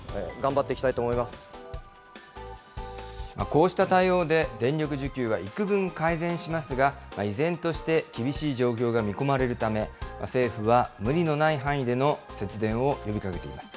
こうした対応で、電力需給はいくぶん改善しますが、依然として厳しい状況が見込まれるため、政府は無理のない範囲での節電を呼びかけています。